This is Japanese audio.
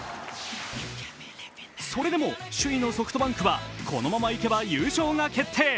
それでも首位のソフトバンクはこのままいけば優勝が決定。